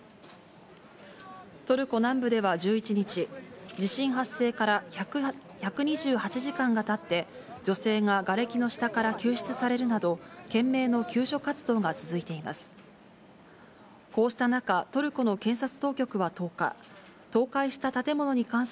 トルコ南部では１１日、地震発生から１２８時間がたって、女性ががれきの下から救出されるなど、懸命の救助活動が続いています。